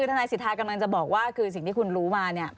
คือทนายสิทธากำลังจะบอกว่าคือสิ่งที่คุณรู้มาเนี่ย